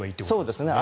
そうですね。